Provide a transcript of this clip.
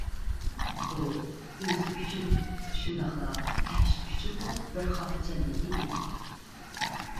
بۇ ئۆزى ئۈچۈن، شۇنداقلا پەرىشتە ئۈچۈنمۇ بىر خاتىرجەملىك ئىدى.